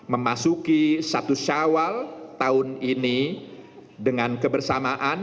memasuki satu syawal tahun ini dengan kebersamaan